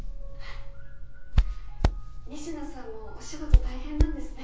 仁科さんもお仕事大変なんですね。